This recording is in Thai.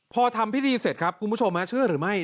พอทำพิธีเสร็จครับคุณผู้ชมเชื่อหรือไม่